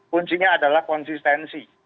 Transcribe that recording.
kuncinya adalah konsistensi